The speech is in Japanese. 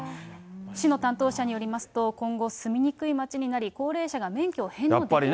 市の担当者によりますと、今後、住みにくい街になり、高齢者が免許を返納できなくなってしまう。